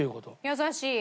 優しい。